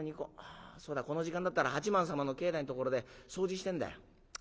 あそうだこの時間だったら八幡様の境内のところで掃除してんだよ。